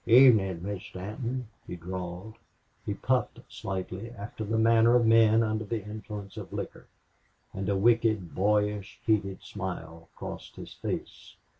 "Evenin', Miss Stanton," he drawled. He puffed slightly, after the manner of men under the influence of liquor, and a wicked, boyish, heated smile crossed his face.